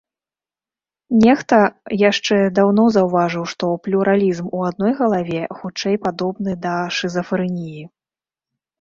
Нехта яшчэ даўно заўважыў, што плюралізм у адной галаве, хутчэй, падобны да шызафрэніі.